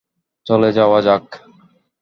চলো যাওয়া যাক।